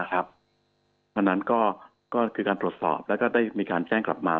เพราะฉะนั้นก็คือการตรวจสอบแล้วก็ได้มีการแจ้งกลับมา